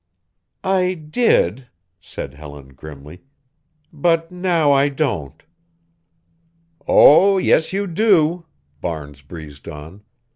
"I did," said Helen grimly, "but now I don't." "Oh, yes, you do," Barnes breezed on.